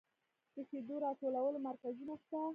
د شیدو راټولولو مرکزونه شته؟